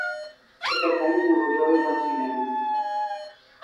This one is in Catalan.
Per Cap d'Any na Rosó irà al cinema.